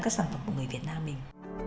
các sản phẩm của người việt nam mình